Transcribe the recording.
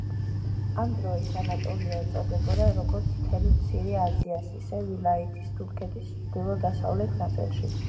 ამ დროის ანატოლია ეწოდებოდა, როგორც მთელ მცირე აზიას, ისე ვილაიეთს თურქეთის ჩრდილო-დასავლეთ ნაწილში.